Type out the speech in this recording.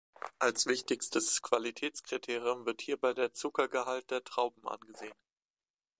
Als wichtigstes Qualitätskriterium wird hierbei der Zuckergehalt der Trauben angesehen.